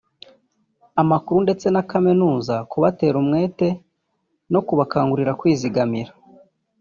amakuru ndetse na Kaminuza kubatera umwete no kubakangurira kwizigamira